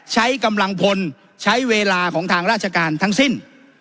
ใช้กำลังพลใช้เวลาของทางราชการทั้งสิ้น